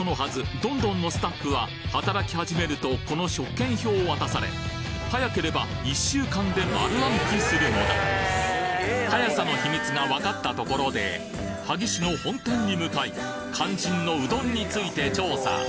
どんどんのスタッフは働き始めるとこの食券表を渡され早ければ速さの秘密が分かったところで萩市の本店に向かい肝心のうどんについて調査